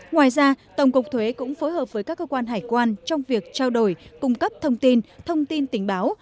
ngoài ra tổng cục thuế cũng phối hợp với các cơ quan hải quan trong việc trao đổi cung cấp thông tin thông tin tình báo